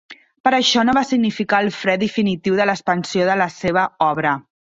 Però això no va significar el fre definitiu de l’expansió de la seva obra.